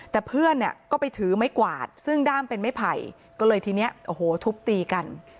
แต่เพื่อนเนี่ยก็ไปถือไม้กวาดซึ่งด้ามเป็นไม้ไผ่ก็เลยทีนี้โอ้โหทุบตีกัน